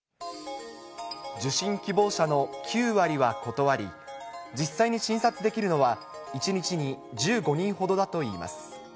受診希望者の９割は断り、実際に診察できるのは、１日に１５人ほどだといいます。